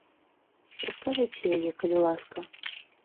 Раскажыце яе, калі ласка.